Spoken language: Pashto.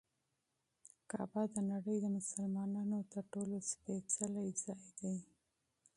کعبه د نړۍ د مسلمانانو تر ټولو سپېڅلی ځای دی.